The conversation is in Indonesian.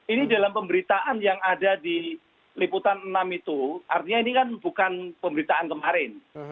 ini dalam pemberitaan yang ada di liputan enam itu artinya ini kan bukan pemberitaan kemarin